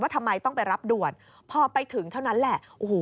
ทำไมต้องไปรับด่วนพอไปถึงเท่านั้นแหละโอ้โห